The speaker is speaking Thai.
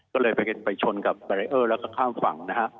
ก็เลยไปไปชนกับแล้วก็ข้างฝั่งนะฮะ